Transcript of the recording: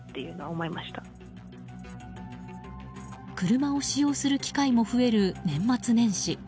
車を使用する機会も増える年末年始。